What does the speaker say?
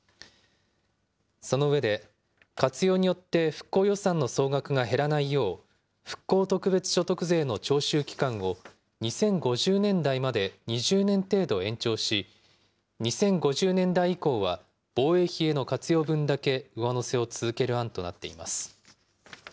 その上で、活用によって復興予算の総額が減らないよう、復興特別所得税の徴収期間を２０５０年代まで２０年程度延長し、２０５０年代以降は、防衛費への活用分だけ上乗せを続ける案となっています。